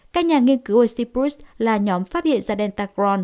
các nhà nghiên cứu ở cyprus là nhóm phát hiện ra delta crohn